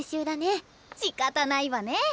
しかたないわねえ。